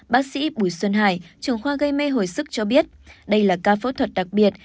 bác sĩ bùi xuân hải trường khoa gây mê hồi sức cho biết đây là ca phẫu thuật đặc biệt